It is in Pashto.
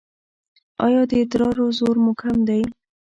ایا د ادرار زور مو کم دی؟